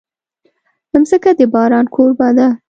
مځکه د باران کوربه ده.